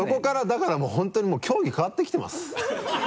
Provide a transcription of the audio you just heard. だからもう本当にもう競技変わってきてます。